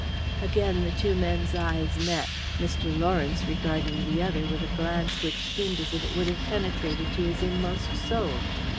Again the two men's eyes met, Mr. Lawrence regarding the other with a glance which seemed as if it would have penetrated to his inmost soul.